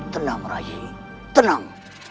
tenang rai tenang